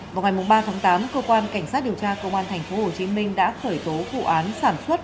vào ngày ba tháng tám cơ quan cảnh sát điều tra công an tp hcm đã khởi tố vụ án sản xuất